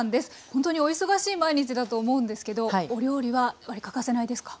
本当にお忙しい毎日だと思うんですけどお料理はやっぱり欠かせないですか？